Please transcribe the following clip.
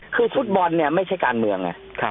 คือฟุตบอลเนี่ยไม่ใช่การเมืองไง